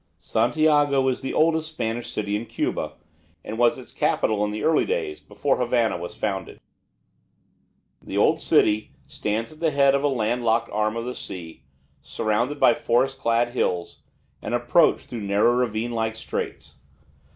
Santiago is the oldest Spanish city in Cuba, and was its capital in the early days before Havana was founded. The old city stands at the head of a landlocked arm of the sea, surrounded by forest clad hills, and approached through narrow ravine like straits.